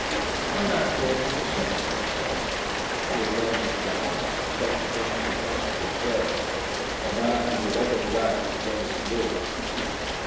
] Our landlord was a sensible fellow: he had learnt his grammar, and Dr Johnson justly observed, that 'a man is the better for that as long as he lives.'